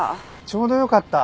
ちょうどよかった。